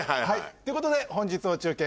ということで本日の中継